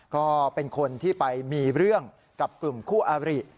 ก็เป็นคนที่ไปมีเรื่องกับกลุ่มคู่อาริ